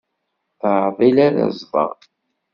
D aɛdil ara tẓeḍ.